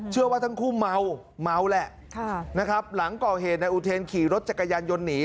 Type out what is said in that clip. เชื่อว่าทั้งคู่เมาเมาแหละนะครับหลังก่อเหตุนายอุเทนขี่รถจักรยานยนต์หนี